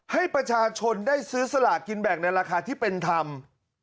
ให้ประชาชนได้ซื้อสลากินแบ่งในราคาที่เป็นธรรม